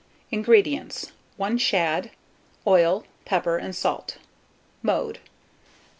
INGREDIENTS. 1 shad, oil, pepper, and salt. Mode.